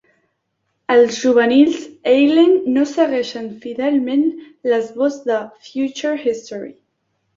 Els juvenils Heinlein no segueixen fidelment l'esbós de "Future History".